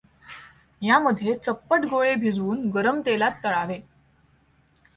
यामध्ये चप्पट गोळे भिजवून् गरम तेलात् तंळावे.